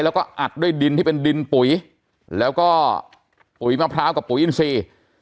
แล้วก็อัดด้วยดินที่เป็นดินปุ๋ยแล้วก็ปุ๋ยมะพร้าวกับปุ๋ยอินทรีย์